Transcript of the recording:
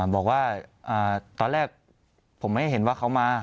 บอกว่าตอนแรกผมไม่เห็นว่าเขามา